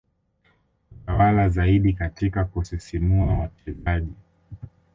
hutawala zaidi katika kusisimua wachezaji